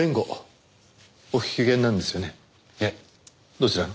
どちらの？